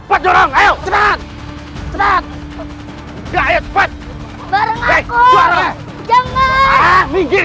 kanda tidak bisa menghadapi rai kenterimanik